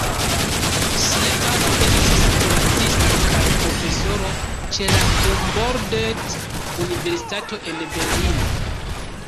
Ŝia patro estis kuracisto kaj profesoro ĉe la Humboldt-Universitato en Berlino.